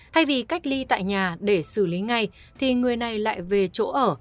thay vì cách ly tại nhà để xử lý ngay thì người này lại về chỗ ở